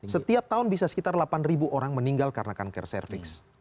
setiap tahun bisa sekitar delapan orang meninggal karena kanker cervix